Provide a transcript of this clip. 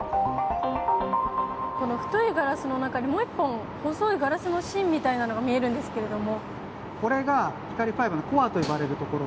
この太いガラスの中にもう１本細いガラスの芯みたいなのが見えるんですけれども。